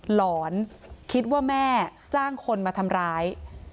หลอนคิดว่าแม่จ้างคนมาทำร้าย